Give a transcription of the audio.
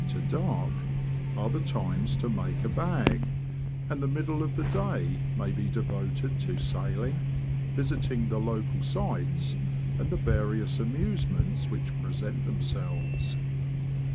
to dark, are the times to make a bag, and the middle of the day may be devoted to sailing, visiting the local sights, and the various amusements which present themselves.